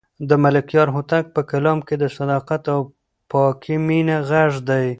د ملکیار هوتک په کلام کې د صداقت او پاکې مینې غږ دی.